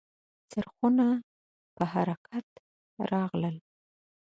څرخونه په حرکت راغلل .